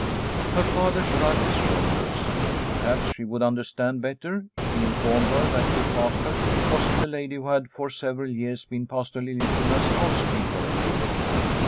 Her father shrugged his shoulders. Perhaps The Accusation 223 she would understand better if he informed her that Fru Pastor was the lady who had for several years been Pastor Liliecrona's house keeper